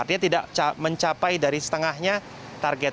artinya tidak mencapai dari setengahnya target